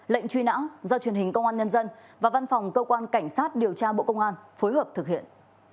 lệnh truy nã do truyền hình công an nhân dân và văn phòng cơ quan cảnh sát điều tra bộ công an phối hợp thực hiện